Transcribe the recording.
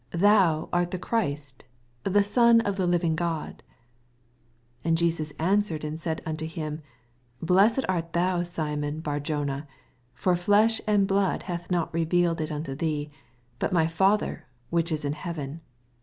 Thou art the Christ, the Son of the iivinff God. 17 And Jesus answered and said, unto him, Blessed art thou, Simon Bar jona : for flesh and blood hath not revealed U unto thee, but my Father which is in heaven.